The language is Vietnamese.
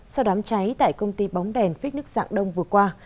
sau đám cháy tại công ty bóng đèn phích nước dạng đông vừa qua